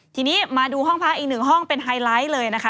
ทีนี้มาดูห้องพักอีกหนึ่งห้องเป็นไฮไลท์เลยนะคะ